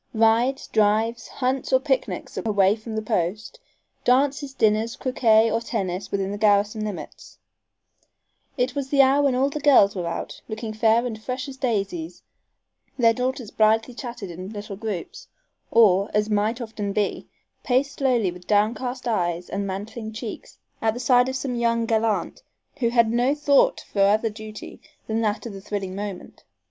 Rides, drives, hunts or picnics away from the post; dances, dinners, croquet or tennis within the garrison limits. It was the hour when all the girls were out, looking fair and fresh as daisies, and while the mothers sedately gossiped along the row of broad verandas, their daughters blithely chatted in little groups, or, as might often be, paced slowly with downcast eyes and mantling cheeks at the side of some young gallant who had no thought for other duty than that of the thrilling moment.